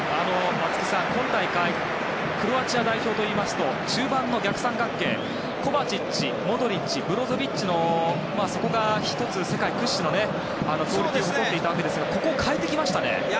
松木さん、今大会クロアチア代表といいますと中盤の逆三角形コバチッチ、モドリッチブロゾビッチのところが世界屈指のクオリティーを誇っていたんですがそこを代えてきましたね。